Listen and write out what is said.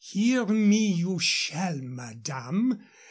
"Hear me you shall, madame.